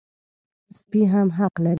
سپي هم حق لري.